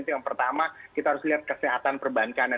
itu yang pertama kita harus lihat kesehatan perbankan